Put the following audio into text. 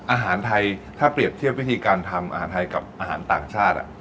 อาหารไทยถ้าเปรียบเทียบวิธีการทำอาหารไทยกับอาหารต่างชาติ